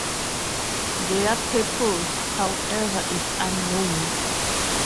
Their purpose, however, is unknown.